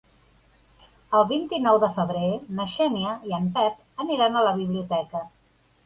El vint-i-nou de febrer na Xènia i en Pep aniran a la biblioteca.